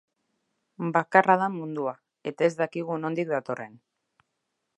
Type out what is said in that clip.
Bakarra da mundua, eta ez dakigu nondik datorren.